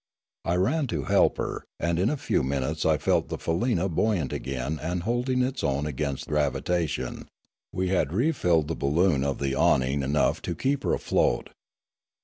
I ran to help her, and in a few minutes I felt the faleena buoyant again and holding its own against gravitation; we had refilled the balloon of the awning enough to keep her afloat.